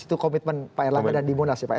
itu komitmen pak erlangga dan di munas ya pak ya